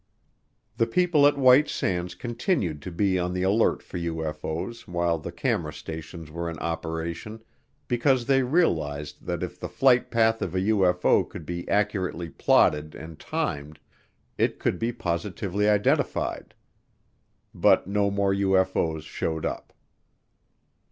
The people at White Sands continued to be on the alert for UFO's while the camera stations were in operation because they realized that if the flight path of a UFO could be accurately plotted and timed it could be positively identified. But no more UFO's showed up.